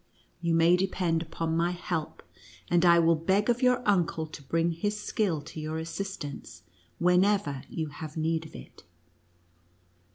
You may depend upon my help, and I will beg of your uncle to bring his skill to your assistance, whenever you have need of it."